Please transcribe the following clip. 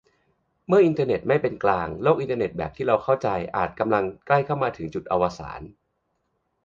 เมื่ออินเทอร์เน็ตไม่เป็นกลาง โลกอินเทอร์เน็ตแบบที่เราเข้าใจ อาจกำลังใกล้มาถึงจุดอวสาน